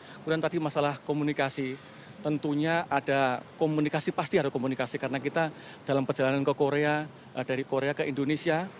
kemudian tadi masalah komunikasi tentunya ada komunikasi pasti ada komunikasi karena kita dalam perjalanan ke korea dari korea ke indonesia